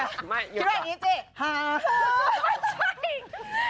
คิดว่านี้จริงเจ๋